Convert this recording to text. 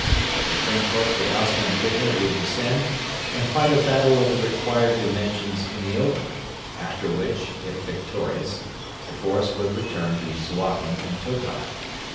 It was then hoped that Osman Digna would descend and fight a battle of the required dimensions in the open; after which, if victorious, the force would return to Suakin and Tokar.